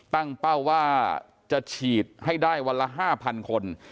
เป้าว่าจะฉีดให้ได้วันละ๕๐๐คน